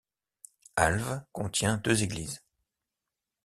Alves contient deux églises.